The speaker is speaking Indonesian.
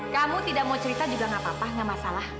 kamu tidak mau cerita juga gak apa apa nggak masalah